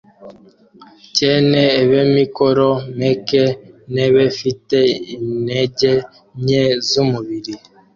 cyene eb’emikoro meke n’ebefite intege nke z’umubi